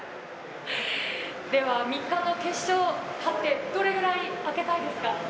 では、３日の決勝、勝って、どれぐらい開けたいですか？